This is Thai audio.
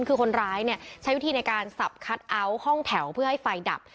คือคนร้ายเนี่ยใช้วิธีในการสับคัทเอาท์ห้องแถวเพื่อให้ไฟดับ